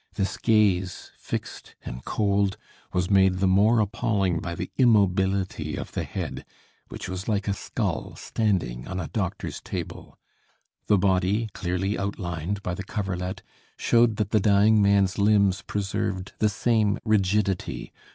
This gaze, fixed and cold, was made the more appalling by the immobility of the head, which was like a skull standing on a doctor's table. The body, clearly outlined by the coverlet, showed that the dying man's limbs preserved the same rigidity.